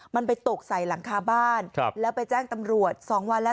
มันไปตกใส่หลังคาบ้านแล้วไปแจ้งตำรวจสองวันแล้ว